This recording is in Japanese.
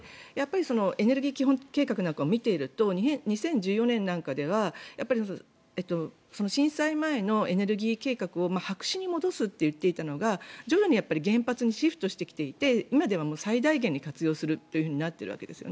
エネルギー基本計画なんかを見ていると２０１４年なんかでは震災前のエネルギー計画を白紙に戻すと言っていたのが徐々に原発にシフトしてきていて今では最大限に活用するとなっているわけです。